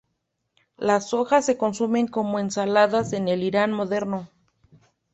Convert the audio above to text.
Las hojas se consumen como ensalada en el Irán moderno.